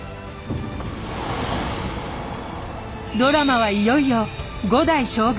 ドラマはいよいよ五代将軍